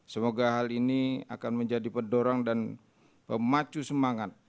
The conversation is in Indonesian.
semoga hal ini akan menjadi pendorong dan pemacu semangat